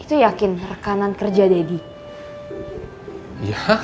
itu yakin rekanan kerja deddy